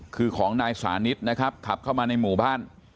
คือของนายสานิทนะครับขับเข้ามาในหมู่บ้าน